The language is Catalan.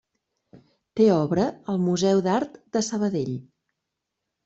Té obra al Museu d'Art de Sabadell.